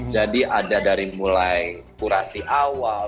jadi ada dari mulai kurasi awal